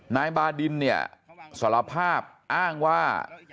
นายบาดินเนี่ยสารภาพอ้างว่า